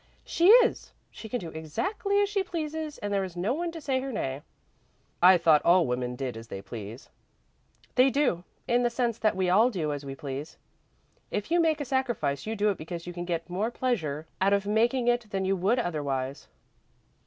"She is. She can do exactly as she pleases and there is no one to say her nay." "I thought all women did as they please." "They do, in the sense that we all do as we please. If you make a sacrifice, you do it because you can get more pleasure out of making it than you would otherwise."